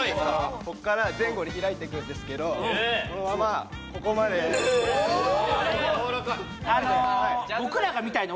ここから前後に開いていくんですけどこのままここまで軟らかい！